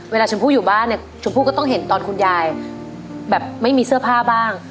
ชมพู่อยู่บ้านเนี่ยชมพู่ก็ต้องเห็นตอนคุณยายแบบไม่มีเสื้อผ้าบ้าง